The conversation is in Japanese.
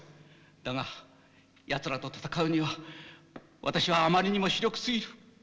だがやつらと戦うには私はあまりにも非力すぎる。